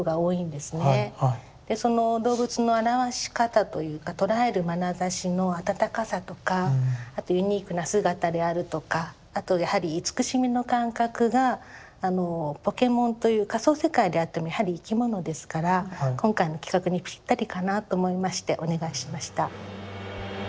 でその動物の表し方というか捉えるまなざしの温かさとかあとユニークな姿であるとかあとやはり慈しみの感覚がポケモンという仮想世界であってもやはり生き物ですから今回の企画にぴったりかなと思いましてお願いしました。